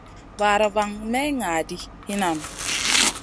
Vaara van may ŋa ɗi hinan nu.